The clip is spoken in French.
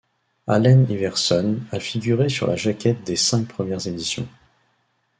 Allen Iverson a figuré sur la jaquette des cinq premières éditions.